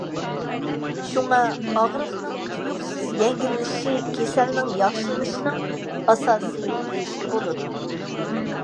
شۇڭا، ئاغرىقنىڭ تۇيۇقسىز يەڭگىللىشى كېسەلنىڭ ياخشىلىنىشىنىڭ ئاساسى دېيىشكە بولمايدۇ.